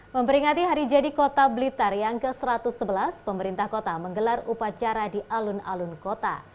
memperingati hari jadi kota blitar yang ke satu ratus sebelas pemerintah kota menggelar upacara di alun alun kota